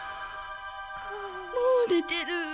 もうねてる。